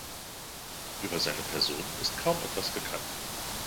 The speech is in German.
Über seine Person ist kaum etwas bekannt.